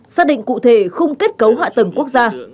xác định cụ thể khung kết cấu hạ tầng quốc gia